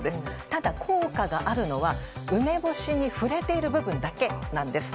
ただ、効果があるのは梅干しに触れている部分だけなんです。